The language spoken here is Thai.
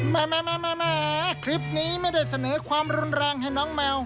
แม่คลิปนี้ไม่ได้เสนอความรุนแรงให้น้องแมว